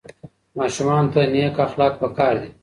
ماشومانو ته نیک اخلاق په کار دي.